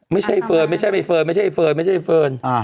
เฟิร์นไม่ใช่ใบเฟิร์นไม่ใช่เฟิร์นไม่ใช่เฟิร์น